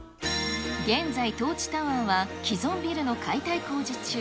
現在、トーチタワーは既存ビルの解体工事中。